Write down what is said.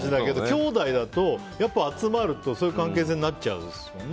きょうだいだと集まるとそういう関係性になっちゃうんですもんね。